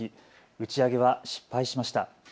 打ち上げは失敗しました。